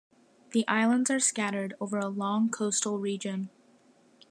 The islands are scattered over a long coastal region.